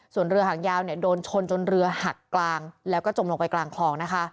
ส่วนเรือหางยาวโดนชนจนเรือหักกลางแล้วก็จมลงไปกลางคลองนะคะ